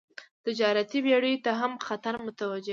تجارتي بېړیو ته هم خطر متوجه کاوه.